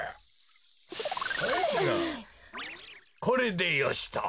これでよしと。